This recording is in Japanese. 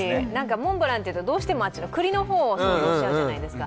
モンブランっていうとどうしても、くりの方を想像しちゃうじゃないですか。